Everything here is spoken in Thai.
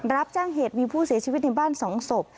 รับแจ้งเหตุมีผู้เสียชีวิตในบ้าน๒ศพ